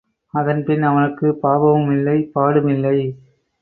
அதன்பின் அவனுக்குப் பாபமுமில்லை, பாடுமில்லை.